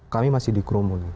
kami masih dikerumun